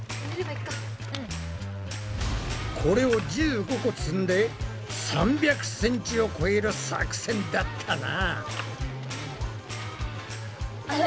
これを１５個積んで３００ｃｍを超える作戦だったな。